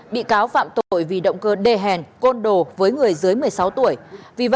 bị cáo phạm tội vì động cơ đê hèn côn đồ với người dưới một mươi sáu tuổi